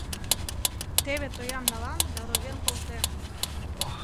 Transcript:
Теве тоям налам да ровен колтем.